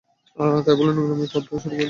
তাই বলে নোংরামি শুরু করে দিও না কিন্তু।